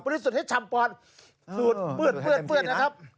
บริสุทธิ์ให้ฉ่ำพอดสูดเปืดเพื่อน